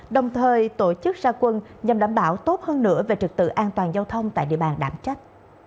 đồng thời tổ chức ra quân nhằm đảm bảo tốt hơn nữa về trực tự an toàn giao thông tại địa bàn đảm trách